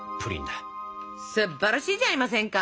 すっばらしいじゃありませんか！